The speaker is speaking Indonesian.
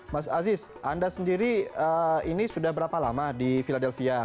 mas aziz anda sendiri ini sudah berapa lama di philadelphia